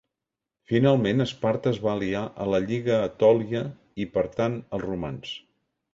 Finalment Esparta es va aliar a la Lliga Etòlia i per tant als romans.